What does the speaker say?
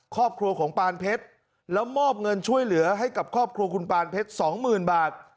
ครอบครัวของปานเพชรแล้วมอบเงินช่วยเหลือให้กับครอบครัวคุณปานเพชรสองหมื่นบาท